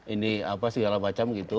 ini apa segala macam gitu